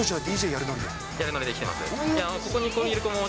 やるノリで来てます。